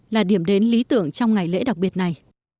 là điểm đến lý tưởng trong ngày lễ đặc biệt này